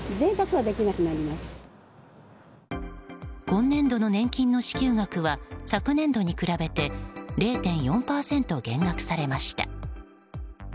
今年度の年金の支給額は昨年度に比べて０．４％減額されました。